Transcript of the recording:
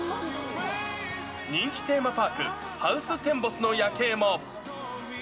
人気テーマパーク、ハウステンボスの夜景も。